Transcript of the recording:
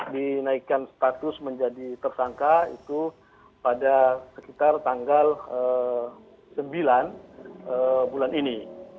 dinaikkan status menjadi tersangka itu pada sekitar tanggal sembilan bulan ini